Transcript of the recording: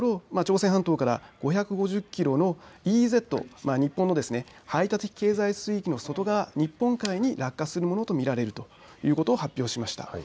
朝鮮半島から５５０キロのＥＥＺ・日本の排他的経済水域の外側、日本海に落下するものと見られるということを発表しました。